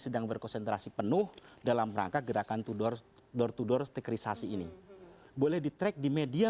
dan melakukan ribah bahkan diviralkan ribahnya